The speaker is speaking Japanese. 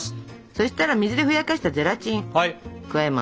そしたら水でふやかしたゼラチン加えます。